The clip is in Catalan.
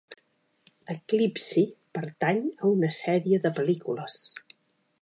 Eclipsi pertany a una sèrie de pel·lícules?